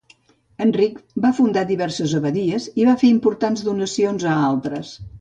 Enric va fundar diverses abadies i va fer importants donacions a altres.